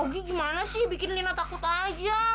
augie gimana sih bikin lina takut aja